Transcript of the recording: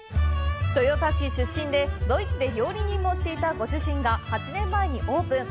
豊田市出身でドイツで料理人もしていたご主人が８年前にオープン。